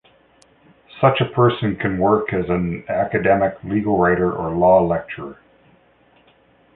Such a person can work as an academic, legal writer or law lecturer.